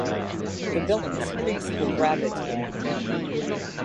The villainous priest will grab it.